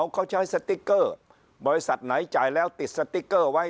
เขาใช้สติ๊กเกอร์บริษัทไหนจ่ายแล้วติดสติ๊กเกอร์ไว้